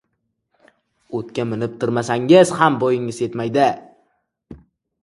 Otga minib tirmashsangiz ham bo‘yingiz yctmaydi.